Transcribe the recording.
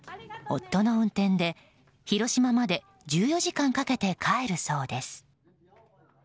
夫の運転で、広島まで１４時間かけて帰るそうです。